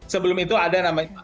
sebelum itu ada namanya